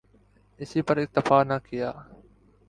اسی پہ اکتفا نہ کیا۔